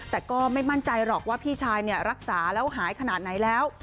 แต่ก็ไม่มั่นใจหรอกว่าพี่ชายรักษาแล้วหายขนาดไหนแล้ว